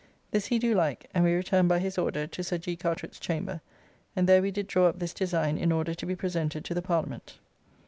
This he do like, and we returned by his order to Sir G. Carteret's chamber, and there we did draw up this design in order to be presented to the Parliament.